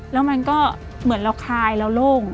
แล้วมันก็เหมือนเราคลายเราโล่ง